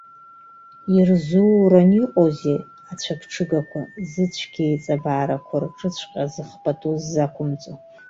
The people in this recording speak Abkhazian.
Ирзууран иҟоузеи ацәаԥҽыгақәа, зыцәгьа-еиҵабаарақәа рҿыҵәҟьа зых пату ззақәымҵо!